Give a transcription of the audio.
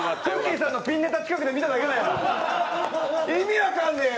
さんのピンネタ近くで見ただけだよ。